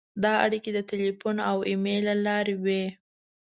دا اړیکې د تیلفون او ایمېل له لارې وې.